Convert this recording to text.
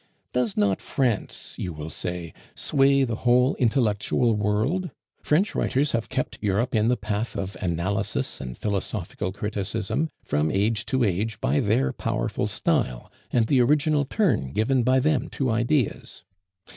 'Does not France,' you will say, 'sway the whole intellectual world? French writers have kept Europe in the path of analysis and philosophical criticism from age to age by their powerful style and the original turn given by them to ideas.